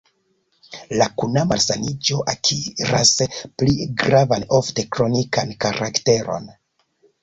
La kuna malsaniĝo akiras pli gravan, ofte kronikan karakteron.